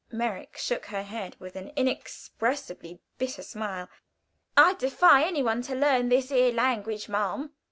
Merrick shook her head with an inexpressibly bitter smile. "I'd defy any one to learn this 'ere language, ma'am.